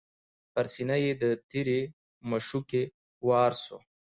پر سینه یې د تیرې مشوکي وار سو